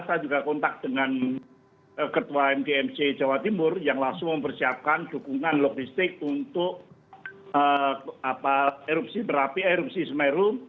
saya juga kontak dengan ketua mgmc jawa timur yang langsung mempersiapkan dukungan logistik untuk erupsi semeru